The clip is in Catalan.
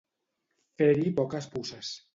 Fer-hi poques puces.